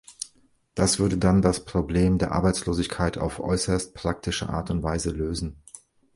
Das würde dann das Problem der Arbeitslosigkeit auf äußerst praktische Art und Weise lösen.